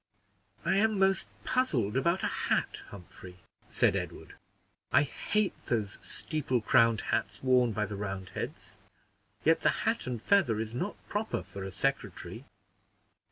"I am most puzzled about a hat, Humphrey," said Edward: "I hate those steeple crowned hats worn by the Roundheads; yet the hat and feather is not proper for a secretary."